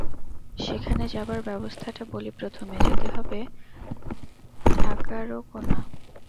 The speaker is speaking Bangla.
সেখানে যাবার ব্যবস্থাটা বলি-প্রথমে যেতে হবে ঠাকারোকোণা।